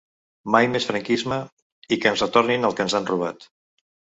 Mai més franquisme’ i ‘Que ens retornin el que ens han robat’.